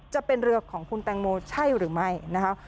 จะเป็นเรือของคุณแตงโมใช่หรือไม่นะคะ